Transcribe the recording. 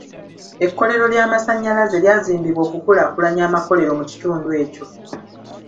Ekkolero ly'amasannyalaze lyazimbibwa okukulaakulanya amakolero mu kitundu ekyo.